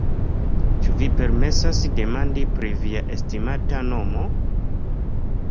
Ĉu vi permesas demandi pri via estimata nomo?